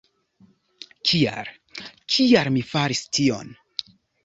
Kial, kial mi faris tion?